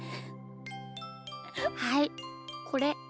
はいこれ。